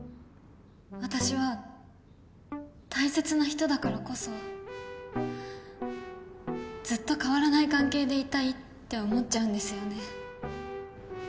私は大切な人だからこそずっと変わらない関係でいたいって思っちゃうんですよね